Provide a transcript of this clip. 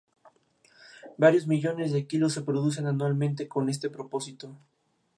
Varios millones de kilos se producen anualmente con este propósito.